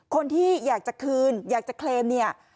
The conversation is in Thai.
คนที่อยากจะคืนอยากจะเคลมเนี่ย